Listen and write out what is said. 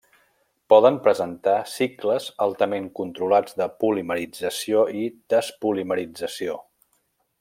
Poden presentar cicles altament controlats de polimerització i despolimerització.